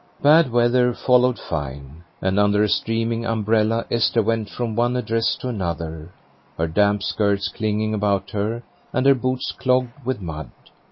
Bad weather followed fine, and under a streaming umbrella Esther went from one address to another, her damp skirts clinging about her and her boots clogged with mud.